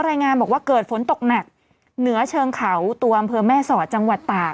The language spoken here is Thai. รายงานบอกว่าเกิดฝนตกหนักเหนือเชิงเขาตัวอำเภอแม่สอดจังหวัดตาก